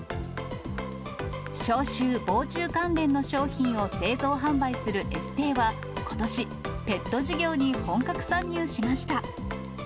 消臭・防虫関連の商品を製造販売するエステーは、ことし、ペット事業に本格参入しました。